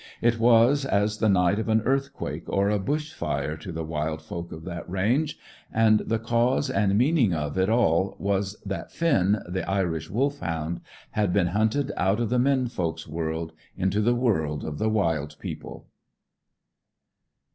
It was as the night of an earthquake or a bush fire to the wild folk of that range; and the cause and meaning of it all was that Finn, the Irish Wolfhound, had been hunted out of the men folk's world into the world of the wild people.